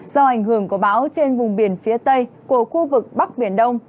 do ảnh hưởng của bão trên vùng biển phía tây của khu vực bắc biển đông